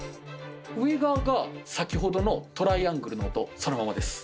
上側が先ほどのトライアングルの音そのままです。